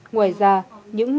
ngoài ra những